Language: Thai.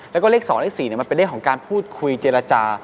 แล้วก็เลข๒เลข๔มันเป็นเลขของการพูดคุยเจรจา